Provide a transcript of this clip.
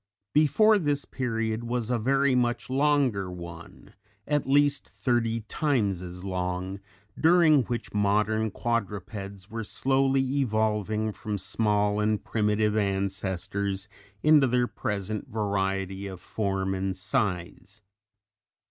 _ Before this period was a very much longer one at least thirty times as long during which modern quadrupeds were slowly evolving from small and primitive ancestors into their present variety of form and size.